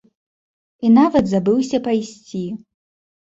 І нават забыўся пайсці.